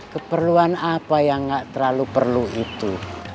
keperluan apa yang gak terlalu perlu itu